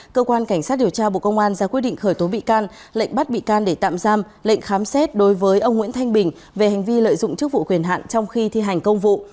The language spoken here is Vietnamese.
cơ quan cảnh sát điều tra bộ công an ra quyết định khởi tố bị can lệnh bắt bị can để tạm giam lệnh khám xét đối với ông nguyễn thanh bình về hành vi lợi dụng chức vụ quyền hạn trong khi thi hành công vụ